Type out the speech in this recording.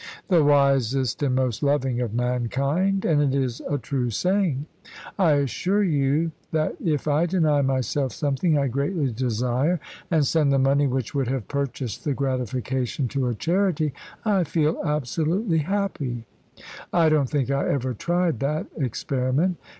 "The wisest and most loving of mankind. And it is a true saying. I assure you, that if I deny myself something I greatly desire, and send the money which would have purchased the gratification to a charity, I feel absolutely happy." "I don't think I ever tried that experiment."